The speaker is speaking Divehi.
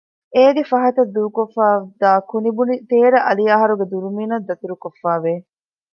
އޭގެ ފަހަތަށް ދޫކޮށްފައިދާ ކުނިބުނި ތޭރަ އަލިއަހަރުގެ ދުރުމިނަށް ދަތުރުކޮށްފައި ވެ